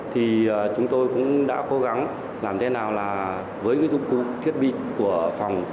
thì chúng tôi cũng đã cố gắng làm thế nào là với cái dụng cụ thiết bị của phòng